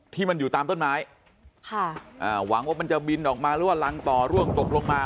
ที่มันอยู่ตามต้นไม้ค่ะอ่าหวังว่ามันจะบินออกมาหรือว่ารังต่อร่วงตกลงมา